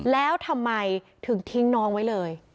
แล้วทำไมถึงทิ้งน้องไว้เลย